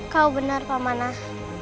kau benar pak manah